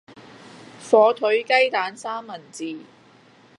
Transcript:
火腿雞蛋三文治